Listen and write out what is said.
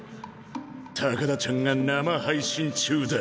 高田ちゃんが生配信中だ。